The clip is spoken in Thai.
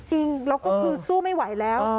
จริงเราก็คือสู้ไม่ไหวแล้ว